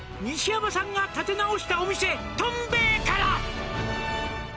「西山さんが立て直したお店」「とんべいから」